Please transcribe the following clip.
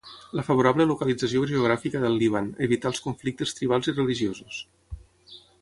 La favorable localització geogràfica del Líban, evitar els conflictes tribals i religiosos.